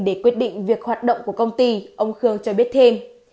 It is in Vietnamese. để quyết định việc hoạt động của công ty ông khương cho biết thêm